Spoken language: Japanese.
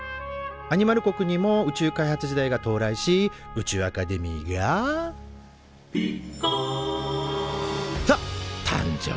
アニマル国にも宇宙開発時代が到来し宇宙アカデミーが「ぴっかん」と誕生。